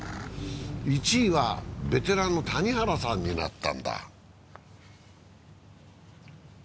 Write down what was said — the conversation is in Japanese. １位はベテランの谷原さんになったんだ。